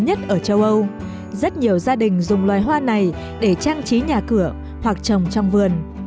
nhiều gia đình dùng loài hoa này để trang trí nhà cửa hoặc trồng trong vườn